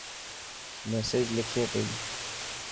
ميسج لکي پئي.